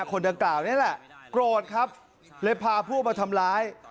คนดังกล่าวนี่แหละโกรธครับเลยพาพวกมาทำร้าย